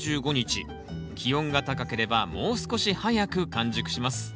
気温が高ければもう少し早く完熟します